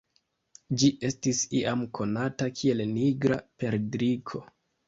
Ĝi estis iam konata kiel "Nigra perdriko".